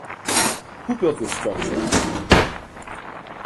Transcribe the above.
Who built this structure?